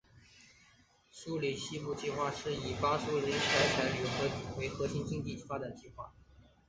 苏里南西部计划就是以在巴克赫伊斯山开采铝土矿为核心的一个经济发展计划。